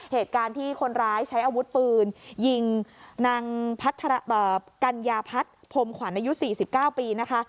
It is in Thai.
เหตุการณ์ที่คนร้ายใช้อาวุธปืนยิงนางกัญญาพัฒน์พรมขวัญอายุ๔๙ปีนะคะ